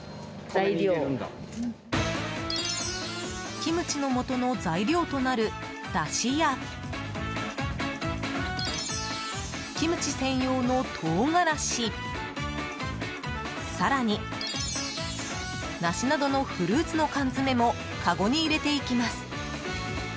キムチのもとの材料となるだしや、キムチ専用の唐辛子更に梨などのフルーツの缶詰もかごに入れていきます。